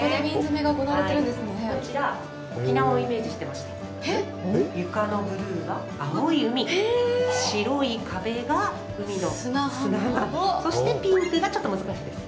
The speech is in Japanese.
こちら、沖縄をイメージしてまして床のブルーは青い海、白い壁が海の砂浜、そして、ピンクがちょっと難しいです。